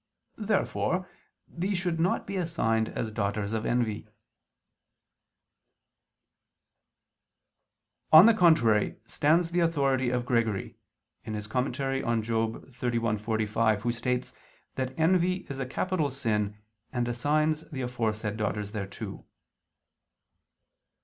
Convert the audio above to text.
Therefore these should not be assigned as daughters of envy. On the contrary stands the authority of Gregory (Moral. xxxi, 45) who states that envy is a capital sin and assigns the aforesaid daughters thereto.